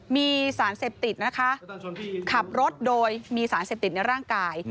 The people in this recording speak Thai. มีสารเสพติดนะคะขับรถโดยมีสารเสพติดในร่างกาย